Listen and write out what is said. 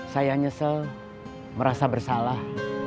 saya nyesel merasa bersalah